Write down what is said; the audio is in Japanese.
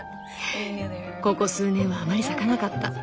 ここ数年はあまり咲かなかった。